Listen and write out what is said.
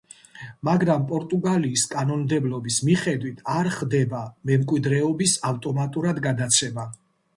მაგრამ პორტუგალიის კანონმდებლობის მიხედვით არ ხდება მემკვიდრეობის ავტომატურად გადაცემა.